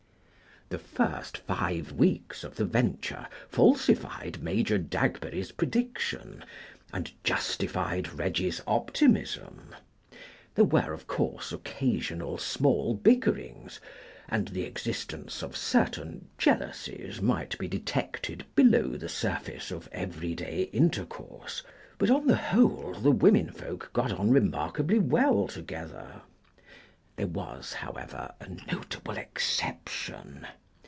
The first five weeks of the venture falsified Major Dagberry's prediction and justified Reggie's optimism. There were, of course, occasional small bickerings, and the existence of certain jealousies might be detected below the surface of everyday intercourse; but, on the whole, the women folk got on remarkably well together. There was, however, a notable exception.